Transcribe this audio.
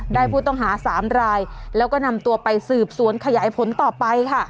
ได้ผู้ต้องหาสามรายแล้วก็นำตัวไปสืบสวนขยายผลต่อไปค่ะ